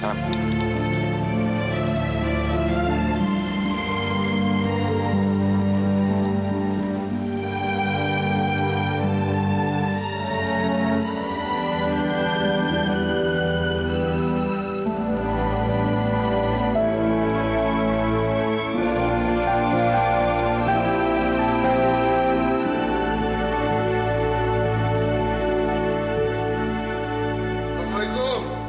saat publicamu langsung jeda